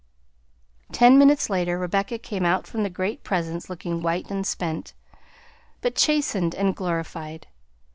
Ten minutes later Rebecca came out from the Great Presence looking white and spent, but chastened and glorified.